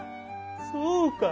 そうか。